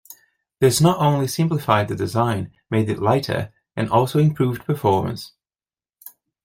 This not only simplified the design, made it lighter, and also improved performance.